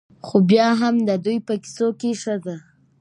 ؛ خو بيا هم د دوى په کيسو کې ښځه